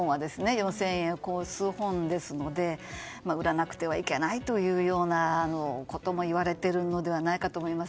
４０００円を超す本ですので売らなくてはいけないということもいわれてるのではないかと思います。